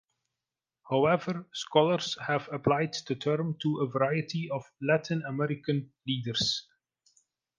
However, scholars have applied the term to a variety of Latin American leaders.